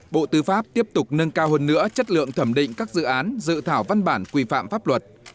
bộ tư pháp tiếp tục nâng cao hơn nữa chất lượng thẩm định các dự án dự thảo văn bản quy phạm pháp luật